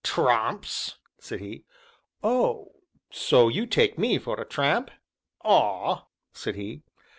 "Tramps!" said he. "Oh! so you take me for a tramp?" "Ah!" said he.